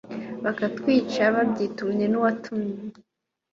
bakatwica babyitumye nuwatumye